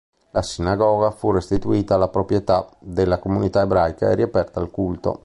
La sinagoga fu restituita alla proprietà della comunità ebraica e riaperta al culto.